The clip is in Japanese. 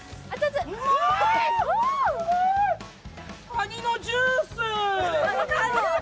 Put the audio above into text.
かにのジュース。